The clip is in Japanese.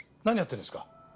何やってるんですか？